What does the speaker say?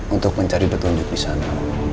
untuk mencari petunjuk di sana